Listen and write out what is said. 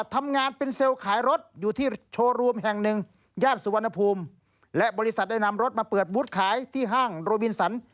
โดยนำรถไฟตัวอย่างให้ลูกค้าดูด้วยนะครับ